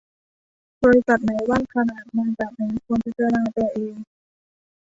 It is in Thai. บริษัทไหนว่างขนาดมาจากนี้ควรพิจารณาตัวเอง